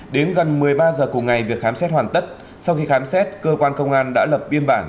đến gần một mươi ba h cùng ngày việc khám xét hoàn tất sau khi khám xét cơ quan công an đã lập biên bản